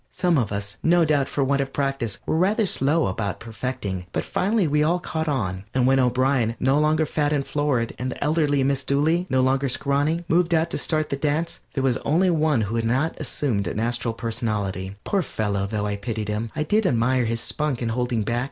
Some of us, no doubt for want of practice, were rather slow about perfecting, but finally we all caught on, and when O'Brien, no longer fat and florid, and the elder Miss Dooley, no longer scrawny, moved out to start the dance, there was only one who had not assumed an astral personality. Poor fellow, though I pitied him, I did admire his spunk in holding back.